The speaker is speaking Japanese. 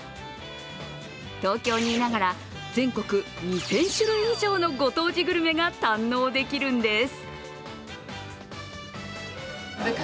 東京にいながら全国２０００種類以上のご当地グルメが堪能できるんです。